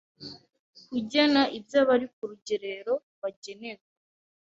kugena ibyo abari ku rugerero bagenerwa;